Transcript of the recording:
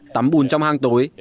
tắm bùn trong hang tối